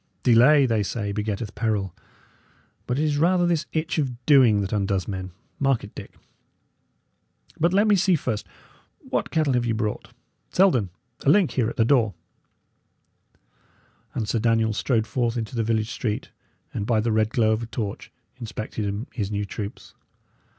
Delay, they say, begetteth peril; but it is rather this itch of doing that undoes men; mark it, Dick. But let me see, first, what cattle ye have brought. Selden, a link here at the door!" And Sir Daniel strode forth into the village street, and, by the red glow of a torch, inspected his new troops.